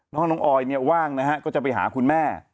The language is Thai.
น้องออยเนี่ยว่างนะฮะก็จะไปหาคุณแม่